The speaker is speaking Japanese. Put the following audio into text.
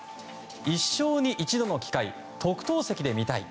一生に一度の機会特等席で見たい。